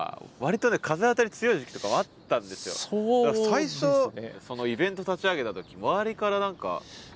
最初そのイベント立ち上げた時周りから何か。